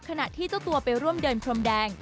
ขณะที่เจ้าตัวไปร่วมเดินพรมแดง